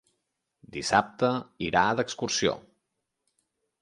Dissabte irà d'excursió.